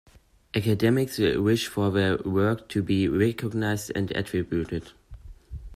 Academics wish for their work to be recognized and attributed.